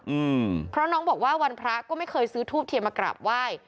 อืมเพราะน้องบอกว่าวันพระก็ไม่เคยซื้อทูบเทียนมากราบไหว้